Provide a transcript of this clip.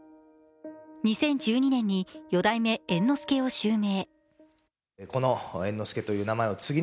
２０１２年に四代目猿之助を襲名。